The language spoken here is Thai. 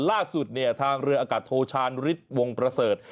ล่าสุดเนี่ยทางเรืออากาศโทชานฤทธิ์วงประเสริฐ